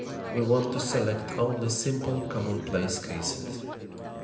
We want to select only simple commonplace cases.